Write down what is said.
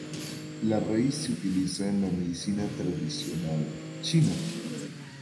La raíz se utiliza en la medicina tradicional china.